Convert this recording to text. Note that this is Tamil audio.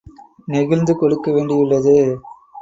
நெகிழ்ந்து கொடுக்க வேண்டியுள்ளது.